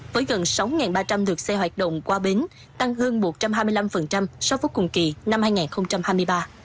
với gần sáu ba trăm linh lượt xe hoạt động qua bến tăng hơn một trăm hai mươi năm so với cùng kỳ năm hai nghìn hai mươi ba